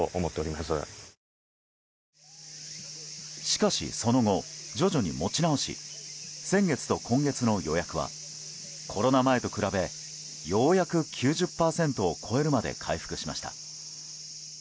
しかし、その後徐々に持ち直し先月と今月の予約はコロナ前と比べようやく９０％を超えるまで回復しました。